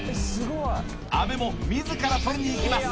阿部も自らとりにいきます